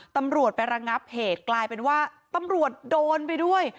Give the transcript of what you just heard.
ตำรวจไประงับเหตุกลายเป็นว่าตำรวจโดนไปด้วย